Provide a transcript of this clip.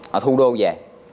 họ thu đô về